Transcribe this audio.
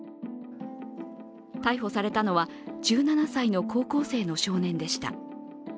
逮捕されたのは１７歳の高校生の少年でした。